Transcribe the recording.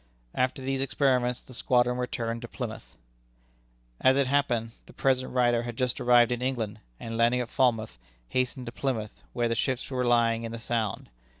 After these experiments the squadron returned to Plymouth. As it happened, the present writer had just arrived in England, and landing at Falmouth, hastened to Plymouth, where the ships were lying in the Sound.